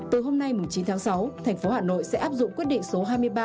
từ hôm nay chín tháng sáu thành phố hà nội sẽ áp dụng quyết định số hai mươi ba hai nghìn hai mươi hai